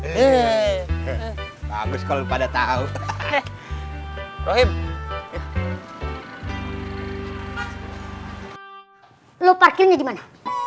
lu parkirnya di mana